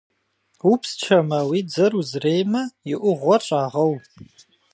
Упсчэмэ, уи дзэр узреймэ, и ӏугъуэр щӏагъэу.